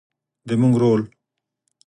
زموږ رول